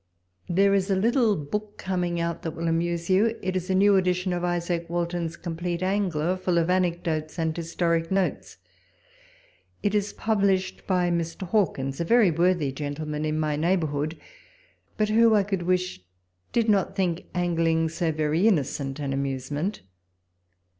There is a little book coming out, that will amuse you. It is a new edition of Isaac walpole's letters. 75 Walton's Complete Angler, full of anecdotes and historic notes. It is published by Mr. Hawkins, a very worthy gentleman in mj' neighbourhood, but who, I could wish, did not think angling so very innocent an amusement.